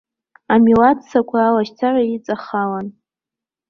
Амилаҭ ссақәа алашьцара иҵахалан.